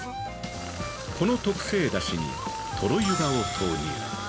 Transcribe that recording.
◆この特製だしにとろ湯葉を投入。